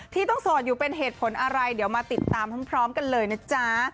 ที่ต้องโสดอยู่เป็นเหตุผลอะไรเดี๋ยวมาติดตามพร้อมกันเลยนะจ๊ะ